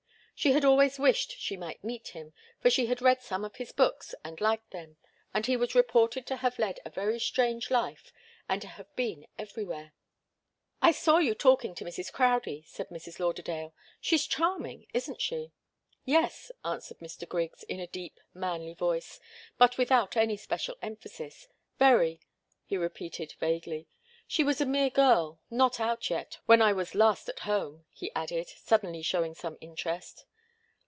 She had always wished she might meet him, for she had read some of his books and liked them, and he was reported to have led a very strange life, and to have been everywhere. "I saw you talking to Mrs. Crowdie," said Mrs. Lauderdale. "She's charming, isn't she?" "Very," answered Mr. Griggs, in a deep, manly voice, but without any special emphasis. "Very," he repeated vaguely. "She was a mere girl not out yet when I was last at home," he added, suddenly showing some interest.